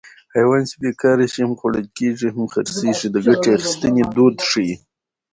حیوان چې بېکاره شي هم خوړل کېږي هم خرڅېږي د ګټې اخیستنې دود ښيي